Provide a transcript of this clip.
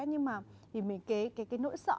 nhưng mà cái nỗi sợ